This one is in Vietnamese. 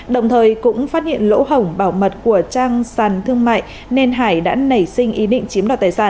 đồng thời cũng phát hiện lỗ hổng bảo mật của trang sàn thương mại nên hải đã nảy sinh ý định chiếm đoạt tài sản